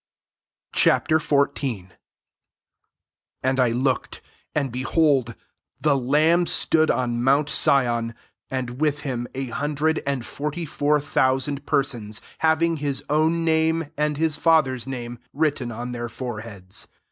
Ch. XIV. 1 And I looked, and, behold, the lamb stood on Mount Sion, and with him a hundred and forty four thou sand persons, having his own name and his Father's name written on their foreheads.